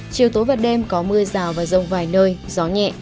chiều tối và đêm có mưa rào và rông vài nơi gió nhẹ